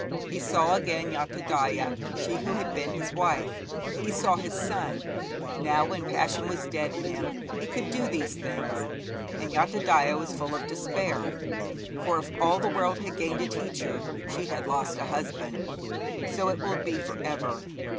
He saw again Yathodaya, she who had been his wife; he saw his son. Now, when passion was dead in him, he could do these things. And Yathodaya was full of despair, for if all the world had gained a teacher, she had lost a husband. So it will be for ever.